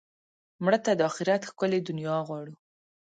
مړه ته د آخرت ښکلې دنیا غواړو